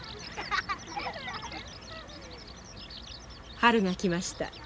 春が来ました。